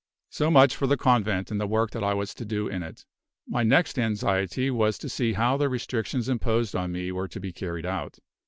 So much for the convent and the work that I was to do in it. My next anxiety was to see how the restrictions imposed on me were to be carried out.